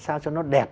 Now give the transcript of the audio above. sao cho nó đẹp